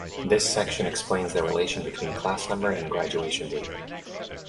This section explains the relation between class number and graduation date.